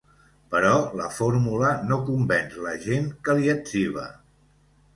Però la fórmula no convenç l’agent que li etziba.